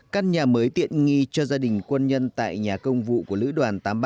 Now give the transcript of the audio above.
căn nhà mới tiện nghi cho gia đình quân nhân tại nhà công vụ của lữ đoàn tám trăm ba mươi